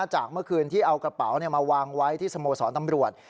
จากเมื่อคืนที่เอากระเป๋ามาวางไว้ที่สโมสรตำรวจ